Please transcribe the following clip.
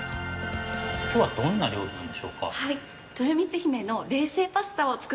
今日はどんな料理なんでしょうか？